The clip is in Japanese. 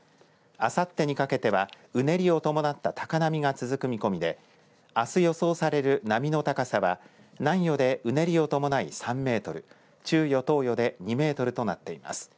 あさってにかけてはうねりを伴った高波が続く見込みであす予想される波の高さは南予でうねりを伴い３メートル、中予、東予で２メートルとなっています。